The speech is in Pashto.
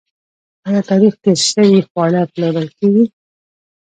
آیا تاریخ تیر شوي خواړه پلورل کیږي؟